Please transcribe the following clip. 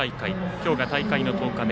今日が大会の１０日目。